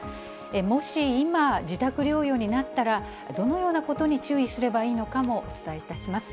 もし今、自宅療養になったら、どのようなことに注意すればいいのかもお伝えいたします。